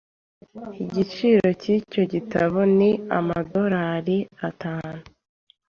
Igiciro cyicyo gitabo ni amadorari atanu.